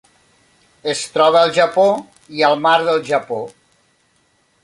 Es troba al Japó i al Mar del Japó.